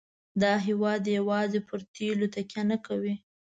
دا هېواد یوازې پر تیلو تکیه نه کوي.